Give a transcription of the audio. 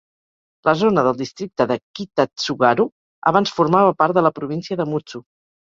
La zona del districte de Kitatsugaru abans formava part de la província de Mutsu.